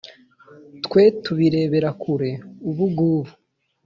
Twe tubirebera kure ubugubu.